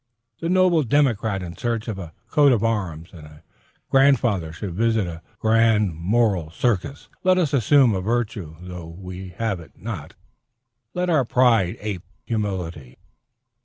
The noble democrat in search of a coat of arms and a grandfather should visit a grand moral circus. Let us assume a virtue, though we have it not; let our pride ape humility.